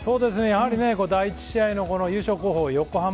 やはり第１試合の優勝候補、横浜。